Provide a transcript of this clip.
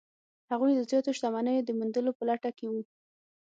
هغوی د زیاتو شتمنیو د موندلو په لټه کې وو.